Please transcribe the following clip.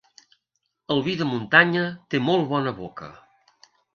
El vi de muntanya té molt bona boca.